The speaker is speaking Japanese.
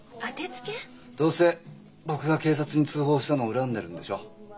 どうせ僕が警察に通報したのを恨んでるんでしょう？